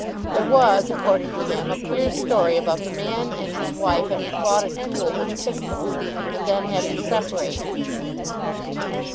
There was, according to him, a queer story about the man and his wife having fought a duel with pistols, and then having separated."